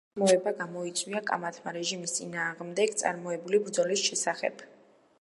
უთანხმოება გამოიწვია კამათმა რეჟიმის წინააღმდეგ წარმოებული ბრძოლის შესახებ.